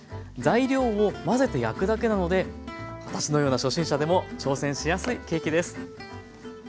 材料を混ぜて焼くだけなので私のような初心者でも挑戦しやすいケーキです。